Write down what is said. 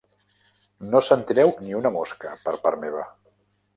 No sentireu ni una mosca, per part meva.